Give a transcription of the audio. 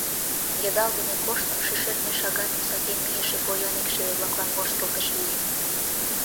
Йыдал дене коштым, ший-шӧртньӧ шагатым сакен мийыше поян икшыве-влаклан воштылтыш лийым.